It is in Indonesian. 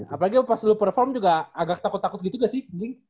apalagi pas lo perform juga agak takut takut gitu juga sih